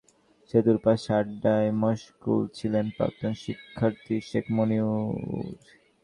সমাজবিজ্ঞান অনুষদের ঝুলন্ত সেতুর পাশে আড্ডায় মশগুল ছিলেন প্রাক্তন শিক্ষার্থী শেখ মুনির।